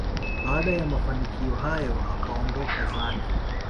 baada ya mafanikio hayo akaondoka zake